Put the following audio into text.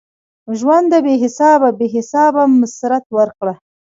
ژونده بی حسابه ؛ بی حسابه مسرت ورکړه